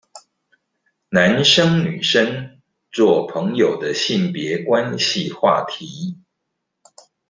男生女生做朋友的性別關係話題